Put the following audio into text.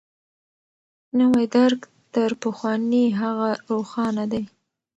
نوی درک تر پخواني هغه روښانه دی.